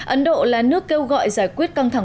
ấn độ là nước kêu gọi giải quyết căng thẳng